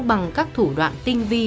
bằng các thủ đoạn tinh vi